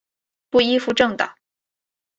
不依附政党！